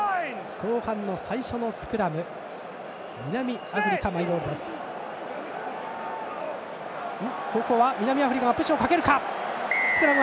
後半最初のスクラムは南アフリカのマイボールスクラム。